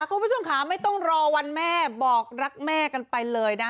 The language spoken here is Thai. คุณผู้ชมค่ะไม่ต้องรอวันแม่บอกรักแม่กันไปเลยนะ